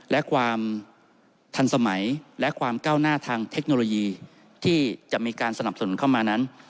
และความทันสมัยและความก้าวหน้าทางเทคโนโลยีที่จะมีการสนับสนุนเข้ามานั้น